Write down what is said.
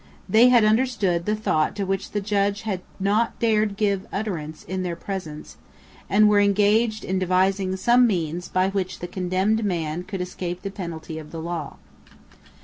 They had understood the thought to which the judge had not dared to give utterance in their presence, and were engaged in devising some means by which the condemned man could escape the penalty of the law.